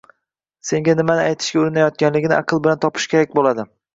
senga nimani aytishga urinayotganligini aql bilan topish kerak bo‘ladi.